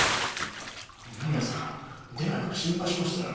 二宮さん出ないから心配しましたよ。